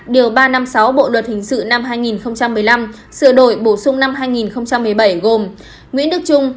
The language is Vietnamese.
điều ba trăm năm mươi sáu bộ luật hình sự năm hai nghìn một mươi năm sửa đổi bổ sung năm hai nghìn một mươi bảy gồm nguyễn đức trung